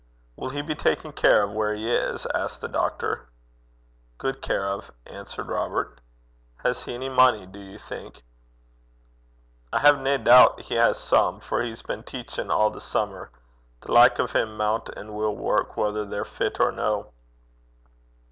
'Will he be taken care of where he is?' asked the doctor. 'Guid care o',' answered Robert. 'Has he any money, do you think?' 'I hae nae doobt he has some, for he's been teachin' a' the summer. The like o' him maun an' will work whether they're fit or no.'